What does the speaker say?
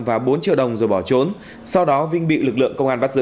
và bốn triệu đồng rồi bỏ trốn sau đó vinh bị lực lượng công an bắt giữ